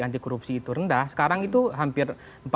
anti korupsi itu rendah sekarang itu hampir